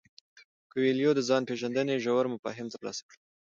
کویلیو د ځان پیژندنې ژور مفاهیم ترلاسه کړل.